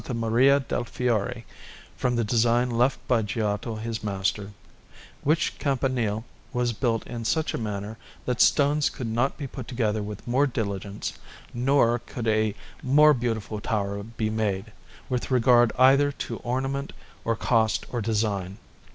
Maria del Fiore, from the design left by Giotto his master; which campanile was built in such a manner that stones could not be put together with more diligence, nor could a more beautiful tower be made, with regard either to ornament, or cost, or design.